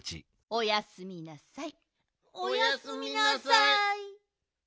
おやすみなさい。